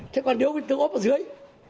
thế còn nếu bị tường ốp ở dưới